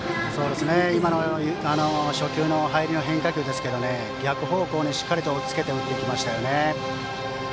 今の初球の入りの変化球ですけど逆方向にしっかりおっつけて打っていきましたね。